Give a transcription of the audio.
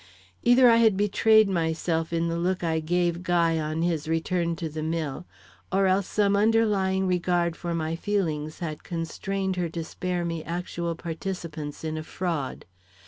Either I had betrayed myself in the look I gave Guy on his return to the mill, or else some underlying regard for my feelings had constrained her to spare me actual participance in a fraud.